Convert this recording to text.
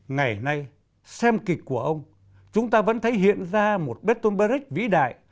ngày nay xem kịch của ông chúng ta vẫn thấy hiện ra một bertolt brecht vĩ đại